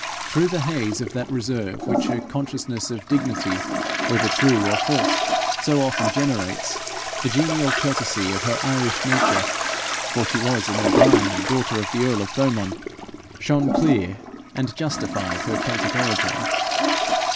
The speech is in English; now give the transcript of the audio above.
Through the haze of that reserve which a consciousness of dignity, whether true or false, so often generates, the genial courtesy of her Irish nature, for she was an O'Brien, daughter of the earl of Thomond, shone clear, and justified her Celtic origin.